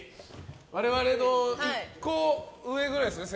我々の１個上ぐらいですよね。